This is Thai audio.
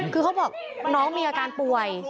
คือเขาบอกน้องมีอาการป่วย